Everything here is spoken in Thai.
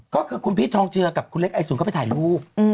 ก็คือคุณพีชทองเจือกับคุณเล็กไอศูนเข้าไปถ่ายรูป